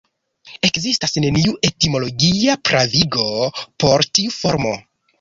Ekzistas neniu etimologia pravigo por tiu formo.